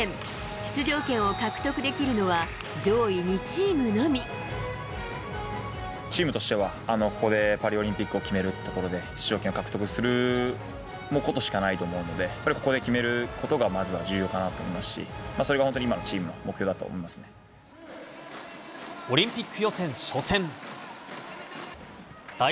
出場権を獲得できるのは、チームとしてはここでパリオリンピックを決めるところで、出場権を獲得することしかないと思うので、やっぱりここで決めることがまずは重要かなと思いますし、それが本当に今のチームの目オリンピック予選初戦。